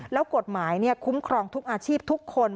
แล้วกฎหมายคุ้มครองทุกอาชีพทุกคน